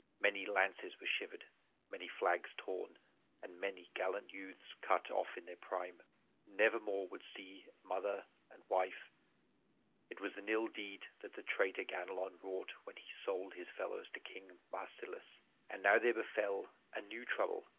Many lances were shivered, many flags torn, and many gallant youths cut off in their prime. Never more would they see mother and wife. It was an ill deed that the traitor Ganelon wrought when he sold his fellows to King Marsilas! And now there befell a new trouble.